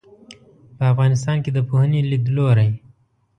په افغانستان کې د پوهنې لیدلورى